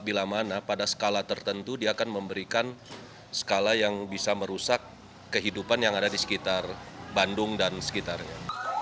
bila mana pada skala tertentu dia akan memberikan skala yang bisa merusak kehidupan yang ada di sekitar bandung dan sekitarnya